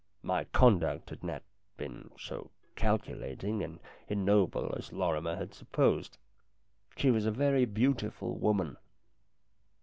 My conduct had not been so calculat ing and ignoble as Lorrimer had supposed. She was a very beautiful woman.